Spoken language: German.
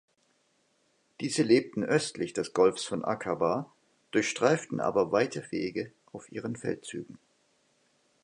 Diese lebten östlich des Golfs von Akaba, durchstreiften aber weite Wege auf ihren Feldzügen.